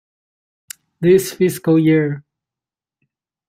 This fiscal year.